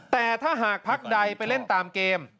แต่ถ้าหากพักใดไปเล่นตามเกม